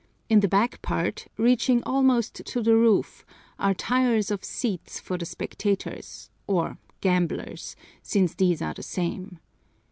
In the back part, reaching almost to the roof, are tiers of seats for the spectators, or gamblers, since these are the same.